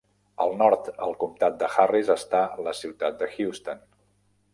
Al nord al comtat de Harris està la ciutat de Houston.